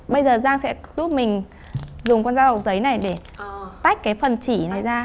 bây giờ giang sẽ giúp mình dùng con dao hộp giấy này để tách cái phần chỉ này ra